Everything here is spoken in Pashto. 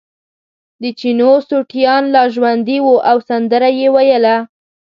د چینو سوټیان لا ژوندي وو او سندره یې ویله.